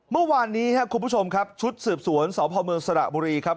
เมื่อวานนี้ครับคุณผู้ชมครับชุดสืบสวนสพเมืองสระบุรีครับ